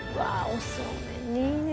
おそうめんにいいね！